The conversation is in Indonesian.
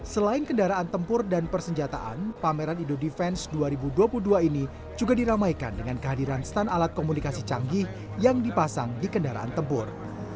selain kendaraan tempur dan persenjataan pameran indodefense dua ribu dua puluh dua ini juga diramaikan dengan kehadiran stand alat komunikasi canggih yang dipasang di kendaraan tempur